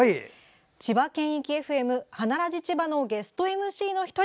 千葉県域ＦＭ「花ラジちば」のゲストＭＣの１人